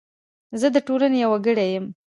زه د ټولنې یو وګړی یم .